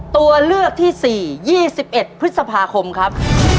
ตัวเลือกที่สี่ยี่สิบเอ็ดพฤษภาคมครับ